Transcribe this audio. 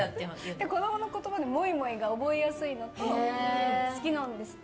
子供の言葉でもいもいが覚えやすいのと好きなんですって。